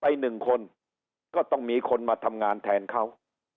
อีกหนึ่งคนก็ต้องมีคนมาทำงานแทนเขา